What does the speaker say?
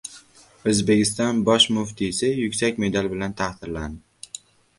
O‘zbekiston bosh muftiysi yuksak medal bilan taqdirlandi